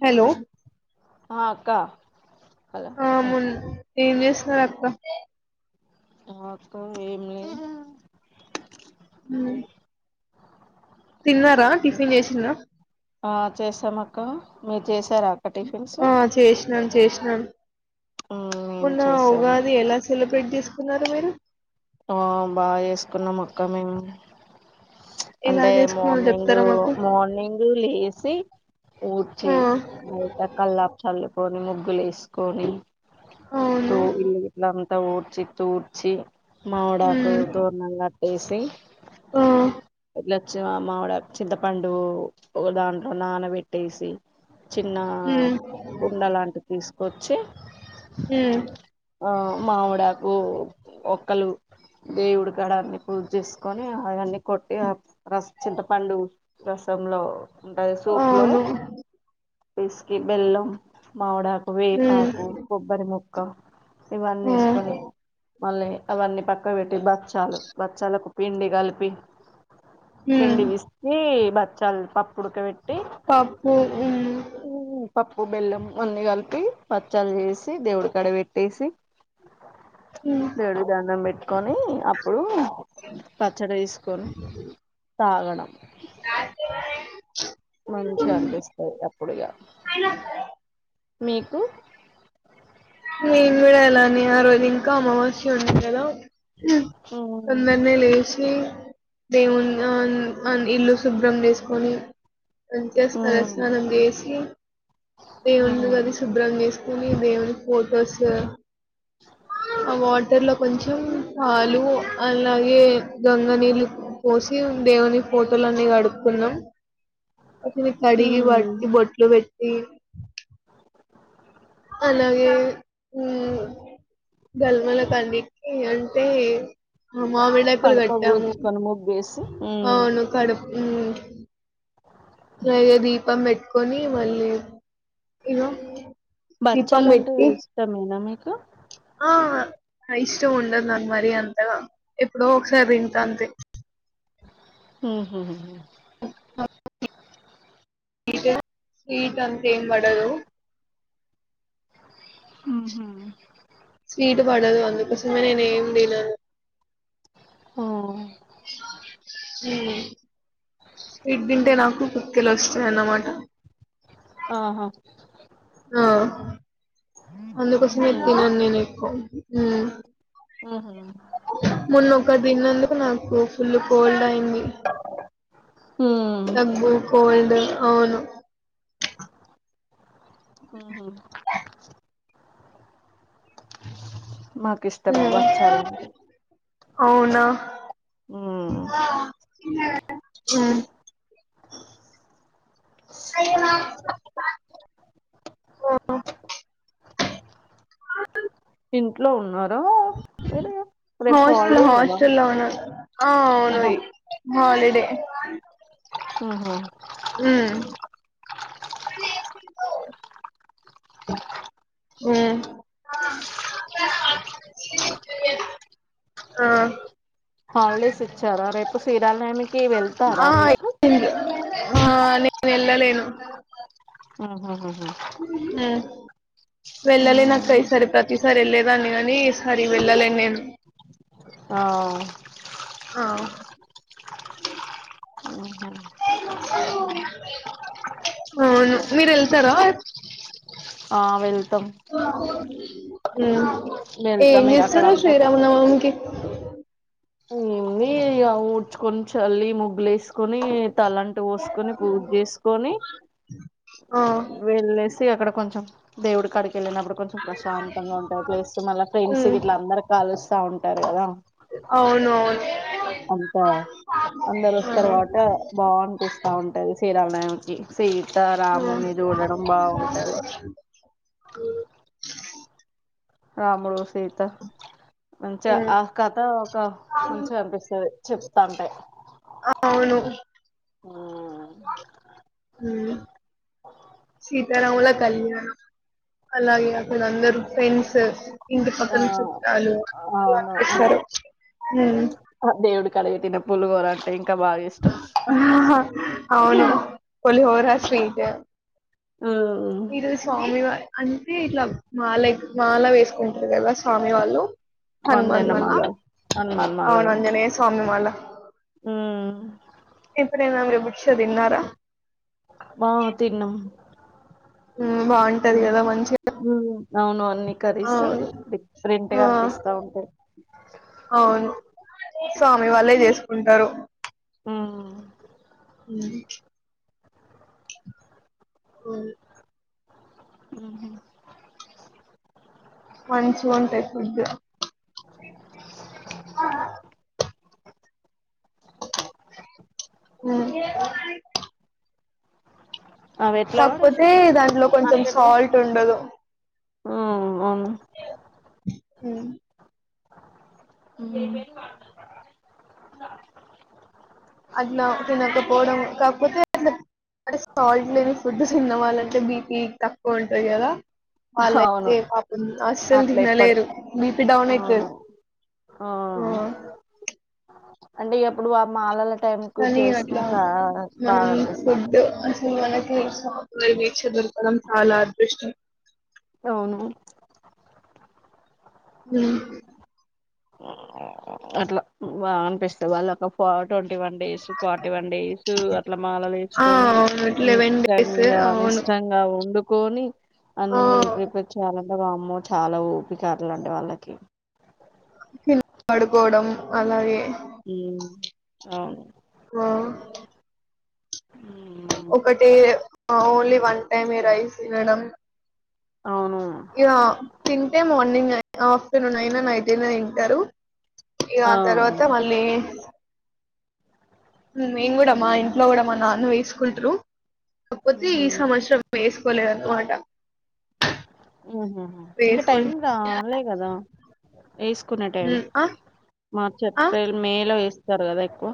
Hello ఆ అక్క hello అ ము ఏం చేస్తున్నారు అక్క మాకు ఏం లేదు హ తిన్నారా టిఫిన్ చేసిందా ఆ చేసాం అక్క మీరు చేస సార్ అక్క టిఫిన్స్ చేసినాం మేం పోన్నా చేసాం ఉగాది ఎలా సెలబ్రేట్ చేసు కున్నారు మీరు ఆ బాగా వేసుకున్నాం అక్క మేము ఎలా అంటే చేసుకున్నారో మార్నింగ్ చెప్తారా మాకు మార్నింగ లేసి ఊడ్చి ఆ బయట కళ్ళ చాలు కొని ముగ్గులు వేసుకొని అవును తో ఇ ఇట్లా తూఊర్చి తూర్చి మామిడాకు ఉమ్ తోనంగా ఏసీ ఆ ఇలచ్చి ఆహ్ మామిడాకు చింతపండు ఒక దాంట్లో నానబెట్టేసి. చిన్న ఉమ్ కుండ లాంటిది తీసుకు వచ్చే. ఉమ్. ఆహ్ మామిడాకు ఒక. ముక్కలు దేవుడు కాడ అన్ని పూజ చేసుకొని అవన్నీ కొట్టి ఆ రసం చింతపండు రసంలో కలు ఉంటాది సూప్లో. అవును పిస్కీ బెల్లం మావిడాకు. ఉమ్ వేపాకు కొబ్బరి ముక్కు. క్క ఇవన్నీ ఆ వేసుకొని మళ్ళీ. అవన్నీ పక్కన పెట్టి బాక్ బచ్చాలు బచ్చాలకు. పిండి కలిపి. ఉమ్ పిండి విస్తీ. బచ్చాలు పప్పుడక పెట్. పప్పు ఉమ్. పప్పు బెల్లం అన్ని కలిపి బచ్చలు చేసి దేవుడి కడ పెట్టేసి. ఉమ్. అన్నం పెట్టుకొని అప్పుడు పచ్చడి వేసుకొని. తాగడం. రాజ్ కిరణ్. మంచిగా అనిపిస్తది అప్పుడు ఇగ. మీకు. నేను కూడా అలానే ఆ రోజు ఇంకా అమావాస్య ఉంది కదా. తొందరనే లేచి. దేవుని ఆహ్ ఇల్లు శుభ్రం చేసుకొని. అంతే తలస్నానం చేసి దేవుని ముందర శుభ్రం చేసి. పోనీ దేవుడు. ఫోటోస్. ఆ వాటర్ లో కొంచెం. ఉమ్ పాలు అలాగే గంగా నీళ్ళు పోసి దేవుని ఫోటోలన్నీ గడుకున్నాం. అవి కడిగి వాటికి బోట్లు పెట్టీ. ఏం. అలాగే హుమ్ గల్మల కంటికి అంటే మామిడాకులు కడప కట్టాము పూడ్చుకొని ముగ్గేసి అవును కడుప్ హుమ్ పైగా దీపం పెట్ కొనీ మళ్ళీ ఇగో దీపం బచ్చాలంటు పెట్టి ఇష్టమేనా మీకు అ ఆ ఇష్టం ఉండద్ నాక్ మరి అంతగా ఎప్పుడో ఒకసారి తింట అంతే హుమ్ హు హు స్వీట్ అంత ఏం పడదు హుమ్ హు స్వీట్ పడదు అందుకోసమనే నేను తినను ఆ హుమ్ స్వీట్ తింటే నాకు పీపుల్ వస్ చన్నమాట ఆహా ఆ అందుకోసమే తినను నేను ఎక్కువ హుమ్ ఉహు మొన్న ఒకట్ తిన్నందుకు నాకు ఫుల్ కోల్డ్ అయ్యింది ఉమ్ దగ్గు కోల్డ్ అవును హుమ్ హు మాకు ఇష్టమే హుమ్ బచ్చాలంటే అవునా ఉమ్ అ ఇంట్లో ఉన్నారు హాస్టల్ హాలిడే కదా హాస్టల్ ఉన్నా ఆ అవును ఆహా ఆ హాలిడే హు హు హుమ్ ఆ హాలిడేస్ ఇచ్చార రేపు ఫెరాల్ కి ఆ వెళ్తారా రేపు ఇచ్చింది ఆ నేను వెళ్ళలేను ఆహ్ హు హు హమ్ హ్మ్ వెళ్ళలి ఉమ్ నాక్కై సర ప్రతి సారి వెళ్ళేదాన్ని కాని సరి వెళ్ళలేను నేను అ ఆ ఉహు అవును మీరు వెళ్తారా ఆ వెళ్ ఓ కోతి ఉమ్ ఏ వెళ్తాం ఇగ అక్కడ చేస్తరు అంతా శ్రీరామనమాంకి ఎమ్ ఉంధి ఊడ్చుకొని చల్లి ముగ్గులు వేసుకొని తలంట పోసుకొని పూజ చేసుకొని ఆ వెలెస్ స అక్కడ కొంచెం దేవుడి కాడికి క వెళ్ళినప్పుడు కొంచెం ప్రశాంతంగా ఉంటాయి ప్లేస్ లో మళ్ళీ ఫ్రెండ్స్సా ఉమ్ ఇట్లా అందరు కాల్సి వస్తా ఉంటారు కదా అవును అవును అంత అందరు ఆ వస్తారు కాబట్టి బాగు అనిప్పిస్తా ఉంటది శ్రీరామనవమికి ఆ సీతరాములు చూడడం బాగుంటది రాముడు సీత మంచిగా ఉమ్ ఆ కథ ఒక మంచిగా కనిపిస్తుంది చెప్తాంటే ఆ అవును ఉమ్ ఉమ్ అఓ సీత రాములా కళ్యాణం అలాగే అక్కడ అందరూ ఫ్రెండ్స్ ఇంటి ఆ పక్కచుట్టాలు అవును అందరూ కనిపిస్తారు ఉమ్ కలపెటినా పులిహోర అంటే ఇంకా బాగా ఇష్టం ఆహ్ హా అవును పులిహోర స్వీట్ ఉమ్ మీరు స్వామి అంటే ఇట్లా మాలై మాలా వేసుకుంటారు కదా స్వామి వాళ్ళు హనుమాన్ మంజన్న మాల మాలలు అవును అంజనే స్వామి మాల ఉమ్ మీరు ఎప్పుడాన దీక్ష తిన్నారా మా తిన్నం ఉమ్ బాగుంటది కదా మంచిగా అవును అన్ని కరీస్ అవును డిఫరెంట్ గా ఆ అనిపిస్తా ఉంటాయి అవును స్వామి వాళ్ళే చేసుకుంటారు హా హా హుమ్ మంచి ఉంటాయి ఫుడ్ హమ్ అవి ఎట్లా కాకపోతే పడేసిండే దాంట్లో కొంచెం అట్లనే సాల్ట్ ఉండదు హ్మ్ అవును హమ్ అట్లా తినక పోడం కాకపోతే [inaudible] ఫుడ్ చిన్నవాళ్ళంటే బీపీ తక్కువ ఉంటుంది కదా అవును వాళ్ళయితే పాపం అస్సలు అట్లా తినలేరు ఇప్పటికి బిపి డౌన్ అయితది అవును ఆ అంటే ఎప్పుడు ఆ మాలలు కానీ అట్లా మనం అనిపిస్తాంది ఫుడ్ అసలు మనకి [unintelligible] దొరకడం చాలా అదృష్టం అవును మ్ అట్లా బా అనిపిస్త వాళ్ళకో ఫోటో టి one days forty one days అట్లా మాలలు ఆ వేసుకొని అవును లెవెన్ డేస్ నిష్టంగా అవును నిష్టంగా ఉండు కోనీ అన్ని ఆ ప్రిపేర్ చేల ద వామ్మో చాలా ఓపిక అంట్లాంటి వాళ్ళకి కిల్ పడుకోవడం అలాగే మ్ అవును ఆ ఉమ్, న్లీ వన్ టైమ్ ఎ రైస్ తినడం అవును య్య తింటె మార్నింగ్ ఆఫ్టర్నూన్ అయినా నైట్ అయినా తింటారు ఇగ ఆ తర్వాత మళ్ళీ మేము కూడా మా ఉహు, ఇంట్లో కూడా మా నాన్న వ తీకుంట్ర కాకపోతే ఈ ఉహు, సంవత్సరం వే వేసుకోలేదన్న మాట ఉహ ఇంకా టైం రాలే కదా వేసుకునే టైం మార్చ్ ఏప్రిల్ మే లో వే వేస్తారు కదా ఎక్కువ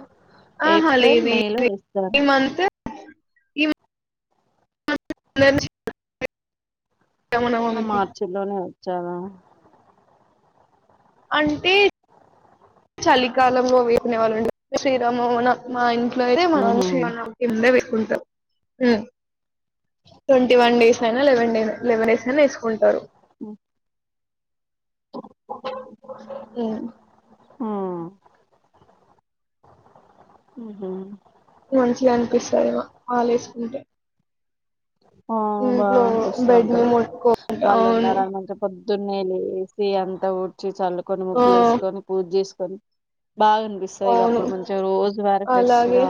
ఆ హ ఏప్రిల్ లేదు మే లో వేస్తారు ఇ మంత్ ఈ మంత్ నుంచి ఆహ మార్చల్లోనే చాలా అంటే చలికాలంలో వేపునే వాళ్ళు ఉంట శ్రీరామ నవమి మా ఇం నేే మనం ఉహు ఎ [inaudible] twenty one days eleven eleven days అన వేసుకుంటారు అ హ మంచిగా అనిపిస్తాది ఆలోసుకుంటే ఆ బాగా అనిపిస్తా బెడ్ ని ఉంటాది ముట్టుకుంటా వాళ్ళు అవును ఉన్నారని మంచిగా పొద్ పోదున్నెలేసి అంత ఊడ్చి చల్లుకని ఆ, ముగ్గులు వేసుకొని పూజ చేసుకని సం బాగా అనిపిస్తుంది ఇక అవును అప్పుడు మంచగా రోజు వారి అలాగే ఫ్రెష్గా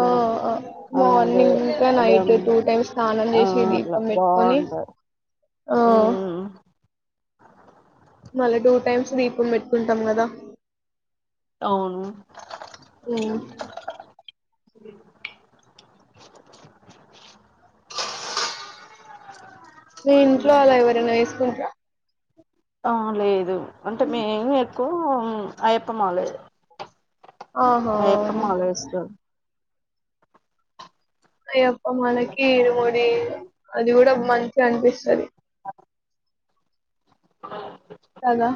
ఆ అలాగే మార్నింగ్ ఇంకా అదే నైట్ టూ టైమ్స్ స్నానం ఆ చేసి అట్లా దీపం పెట్టుకొని బాగుంటది ఆ ఉమ్ మళ్ళా టూ టైమ్స్ దీపం పెట్టుకుంటాం కదా అవును ఉమ్. మీ ఇంట్లో అలా ఎవరైనా వేసుకుంటార ఆ లేదు అంటే మేం ఎక్కువ అయ్యప్పమాలేదు ఆహా వేస్తాం అయ్యప్ప అప్ప మాలకి ఇరు ముడి అది కూడా మంచిగా అనిపిస్తుంది అ కాదా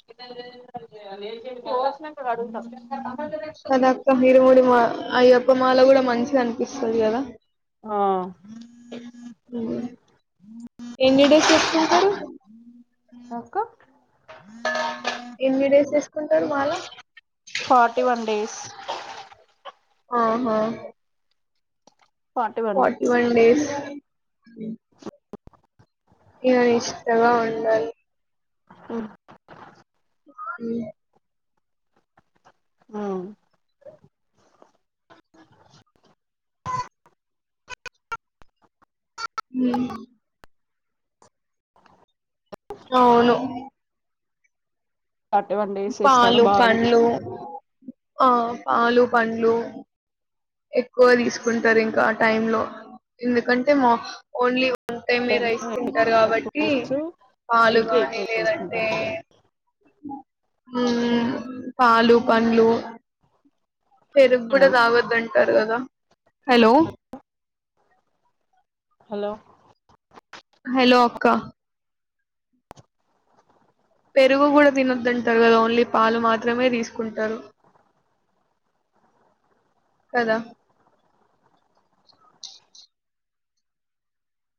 న్నా త అదక్క ఇరుమూడి మాల అయ్యప్ప మాల కూడా మంచిగా అనిపిస్సది కదా. ఆ ఎన్ని డేస్ ఏసుకుంటరు. అక్క ఎన్ని డేస్ ఏసుకుంటరు, మాలా ఫార్టీ వన్ డేస్ ఆహా ఫార్టీ వన్ డేస్ ఇన నిష్టగా ఉండాలి. ఉ హు ఆ హు ఔను. ఫార్టీ వన్ డేస్ ఏస్తాడు పాలు బాగా పండ్లు అనిపిస్స్ తె ఆ పాలు పండ్లు ఎక్కువ తీసుకుంటారు ఇంకా ఆ టైమ్ లో, ఎందుకంటే మాక్స్ ఓన్లీ అంటే మీ రైస్ తింటారు కావట్టి, ఫ్రూట్స్ పాలు మిల్క్ గాని ఎక్కువ లేదంటే తీసుకుంటారు ఉ ఉ, పాలు పండ్లు పెరుగ్ గూడ తావద్దు అన్ పెరగదా హలో హలో అక్క పెరుగు కూడా తినొద్దు అంటరు కదా ఓన్లీ పాలు మాత్రమే తీసుకుంటారు. కదా